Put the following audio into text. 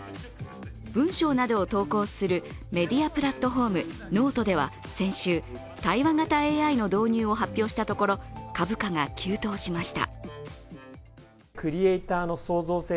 文章などを投稿するメディアプラットフォーム、ｎｏｔｅでは先週、対話型ＡＩの導入を発表したところ、株価が急騰しました。